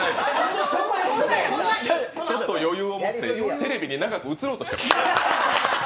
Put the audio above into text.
ちょっと余裕を持ってテレビに長く映ろうとしています。